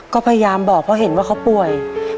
ก็พยายามบอกเพราะเห็นว่าเขาป่วย